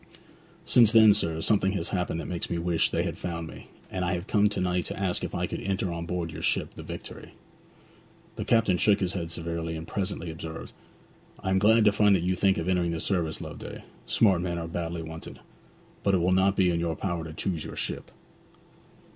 'Since then, sir, something has happened that makes me wish they had found me, and I have come to night to ask if I could enter on board your ship the Victory.' The captain shook his head severely, and presently observed: 'I am glad to find that you think of entering the service, Loveday; smart men are badly wanted. But it will not be in your power to choose your ship.'